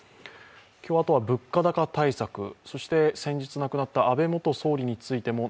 今日、あとは物価高対策、そして先日亡くなった安倍元総理についても